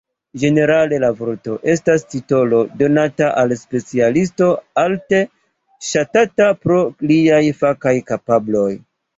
Ĝenerale la vorto estas titolo donata al specialisto alte ŝatata pro liaj fakaj kapabloj.